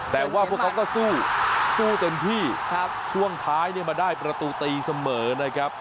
แต่ว่าพวกเขาก็สู้สู้เต็มที่ช่วงท้ายเนี่ยมาได้ประตูตีเสมอนะครับ